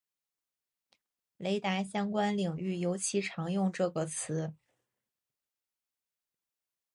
雷达相关领域尤其常用这个词。